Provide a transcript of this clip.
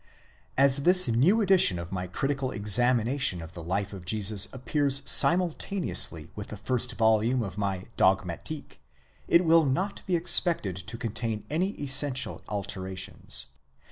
As this new edition of my critical examination of the life of Jesus appears simultaneously with the first volume of my Dogmazik, it will not be expected to contain any essential alterations.